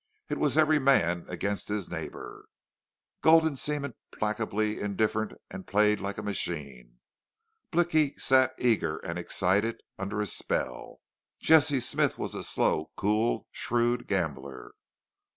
It was every man against his neighbor. Gulden seemed implacably indifferent and played like a machine. Blicky sat eager and excited, under a spell. Jesse Smith was a slow, cool, shrewed gambler.